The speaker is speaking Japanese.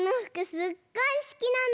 すっごいすきなの。